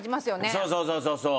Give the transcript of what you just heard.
そうそうそうそうそう。